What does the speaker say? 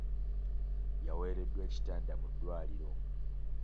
Yaweereddwa ekitanda mu ddwaliro.